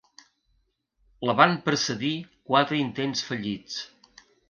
La van precedir quatre intents fallits.